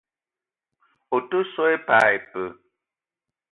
Ou te so i pas ipee?